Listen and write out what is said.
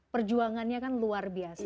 perjuangannya kan luar biasa